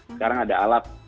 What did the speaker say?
sekarang ada alat